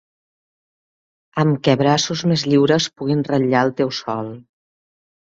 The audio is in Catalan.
Amb què braços més lliures puguin ratllar el teu sòl.